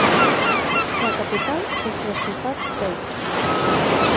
La capital és la ciutat d'Ōita.